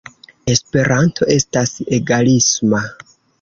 Esperanto estas egalisma.